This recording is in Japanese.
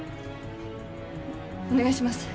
お願いします